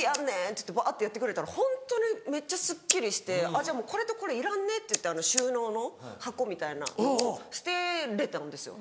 っつってバってやってくれたらホントにめっちゃすっきりして「これとこれいらんね」って収納の箱みたいなのを捨てれたんですよ。